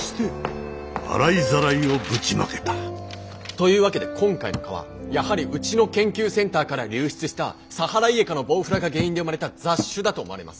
というわけで今回の蚊はやはりうちの研究センターから流出したサハライエカのボウフラが原因で生まれた雑種だと思われます。